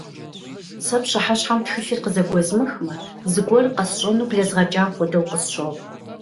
Сэ пщыхьэщхьэм тхылъыр къызэгуэзмыхмэ, зыгуэр къэсщӀэну блэзгъэкӀа хуэдэу къысщохъу.